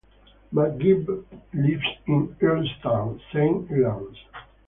McGinn lives in Earlestown, Saint Helens.